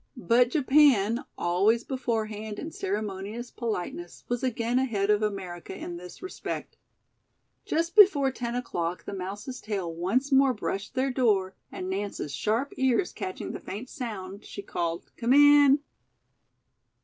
But Japan, always beforehand in ceremonious politeness, was again ahead of America in this respect. Just before ten o'clock the mouse's tail once more brushed their door and Nance's sharp ears catching the faint sound, she called, "Come in."